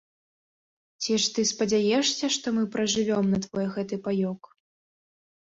Ці ж ты спадзяешся, што мы пражывём на твой гэты паёк?